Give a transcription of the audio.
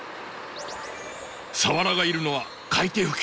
サワラがいるのは海底付近。